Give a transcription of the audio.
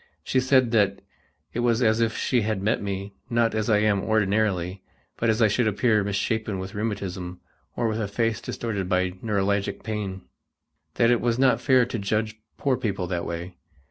She said that it was as if she had met me, not as I am ordinarily, but as I should appear misshapen with rheumatism or with a face distorted by neuralgic pain; that it was not fair to judge poor people that way.